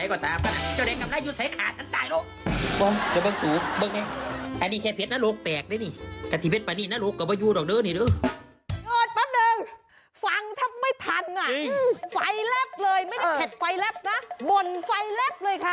โอ้ป้ะนึงฟังถ้าไม่ทันฟัยรับเลยไม่ใช่แข็ดไฟรับน่ะบนไฟรับเลยค่ะ